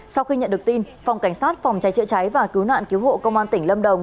sau khi nhận được tin phòng cảnh sát phòng cháy chữa cháy và cứu nạn cứu hộ công an tỉnh lâm đồng